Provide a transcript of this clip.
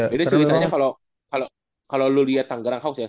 jadi ceritanya kalau lu lihat tanggerang house ya